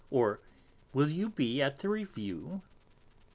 or "Will you be at the review?".